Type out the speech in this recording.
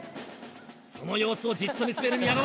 その様子をじっと見つめる宮川。